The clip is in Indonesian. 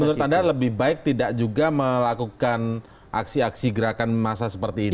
jadi menurut anda lebih baik tidak juga melakukan aksi aksi gerakan memasak seperti ini